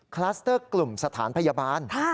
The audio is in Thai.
คลัสเตอร์กลุ่มสถานพยาบาล